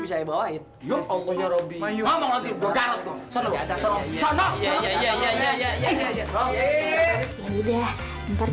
itu ada kakek lepet